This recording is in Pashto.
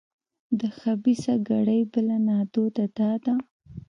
د خبیثه کړۍ بله نادوده دا ده.